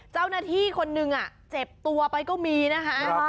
เจ้าหน้าที่คนหนึ่งเจ็บตัวไปก็มีนะคะ